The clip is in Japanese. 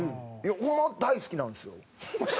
ホンマ大好きなんですよ。